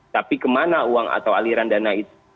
tapi kemana uang atau aliran dana itu